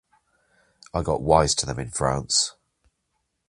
I got wise to them in France.